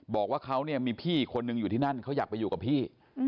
บอกว่าเขาเนี่ยมีพี่อีกคนนึงอยู่ที่นั่นเขาอยากไปอยู่กับพี่